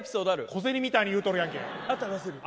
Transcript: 小銭みたいに言うとるやんけ。